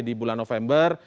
di bulan november